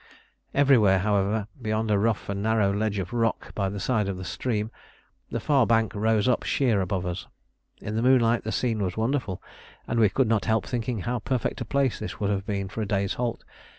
Everywhere, however, beyond a rough and narrow ledge of rock by the side of the stream, the far bank rose up sheer above us. In the moonlight the scene was wonderful, and we could not help thinking how perfect a place this would have been for a day's halt.